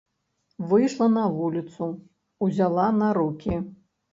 Выйшла на вуліцу, узяла на рукі.